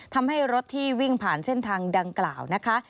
ทำให้รถที่วิ่งผ่านเส้นทางดังกล่าวนะคะ